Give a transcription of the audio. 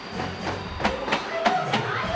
「おはよう」じゃないよ！